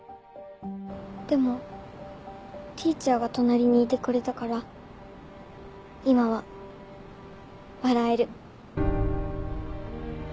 でもＴｅａｃｈｅｒが隣にいてくれたから今は笑える。